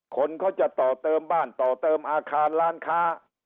คนเขาจะต่อเติมบ้านต่อเติมอาคารร้านค้า